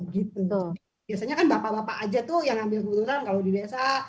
biasanya kan bapak bapak aja tuh yang ambil keputusan kalau di desa